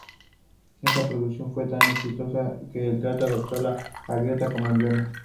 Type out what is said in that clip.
Esta producción fue tan exitosa que el teatro adoptó la gaviota como emblema.